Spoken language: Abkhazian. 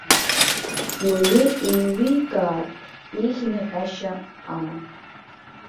Уаҩы еиликаартә, еиӷьны ҳәашьа амам.